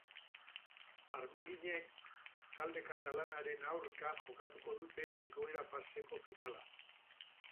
Armaginek talde katalanaren aurka jokatuko dute igoera faseko finala.